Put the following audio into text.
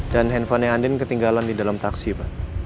dan handphonenya andin ketinggalan di dalam taksi pak